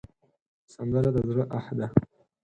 سندره د زړه آه ده